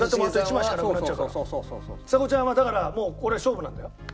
ちさ子ちゃんはだからもうこれ勝負なんだよ。